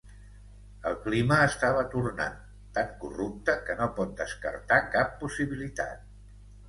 El clima estava tornant tan corrupte que no pot descartar cap possibilitat.